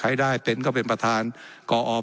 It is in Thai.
และยังเป็นประธานกรรมการอีก